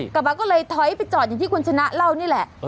กลับมาก็เลยถอยไปจอดอย่างที่คุณชนะเล่านี่แหละ